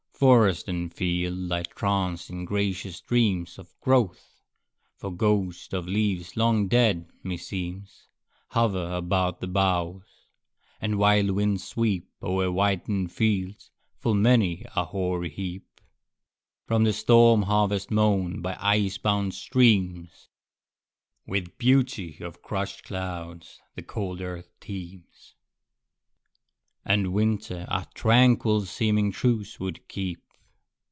Forest and field lie tranced in gracious dreams Of growth, for ghosts of leaves long dead, me seems, Hover about the boughs; and wild winds sweep O'er whitened fields full many a hoary heap From the storm harvest mown by ice bound streams! With beauty of crushed clouds the cold earth teems, And winter a tranquil seeming truce would keep.